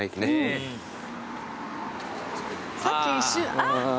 あっ！